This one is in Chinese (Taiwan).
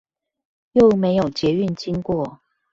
又沒有捷運經過